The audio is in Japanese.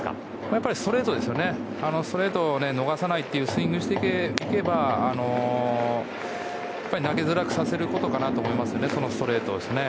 やっぱりストレートを逃さないというスイングをしていけば投げづらくさせることができるので、ストレートを。